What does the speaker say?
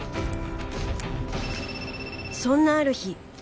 そんなある日。